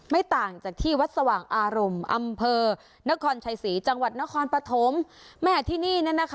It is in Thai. ไม่ต่างจากที่วัดสว่างอารมณ์อำเภอนครชัยศรีจังหวัดนครปฐมแม่ที่นี่เนี่ยนะคะ